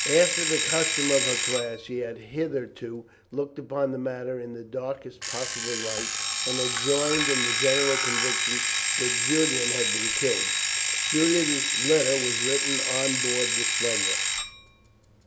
After the custom of her class, she had hitherto looked upon the matter in the darkest possible light, and had joined in the general conviction that Julian had been killed. Julian's letter was written on board the smuggler.